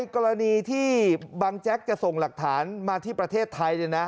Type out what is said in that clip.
กรณีที่บังแจ๊กจะส่งหลักฐานมาที่ประเทศไทย